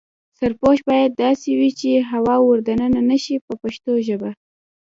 سرپوښ باید داسې وي چې هوا ور دننه نشي په پښتو ژبه.